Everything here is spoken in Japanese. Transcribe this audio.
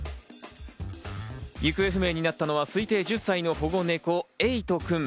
行方不明になったのは、推定１０歳の保護猫・エイトくん。